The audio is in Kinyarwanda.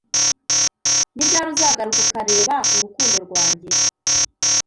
Ni ryari uzagaruka ukareba urukundo rwanjye